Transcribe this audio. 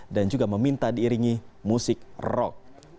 dan juga meminta diiringi musik rock